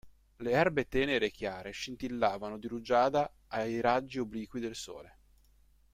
Le erbe tenere e chiare scintillavano di rugiada ai raggi obliqui del sole.